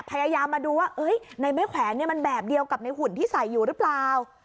พยายามมาดูว่าในไม่แขวนมันแบบเดียวกับในหุ่นที่ใส่อยู่หรือเปล่า